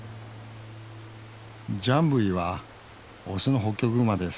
ジャンブイはオスのホッキョクグマです。